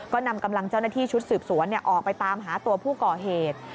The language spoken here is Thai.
ก็นำกำลังเจ้าหน้าที่ชุดสืบสวนออกไปตามหาตัวผู้ก่อเหตุ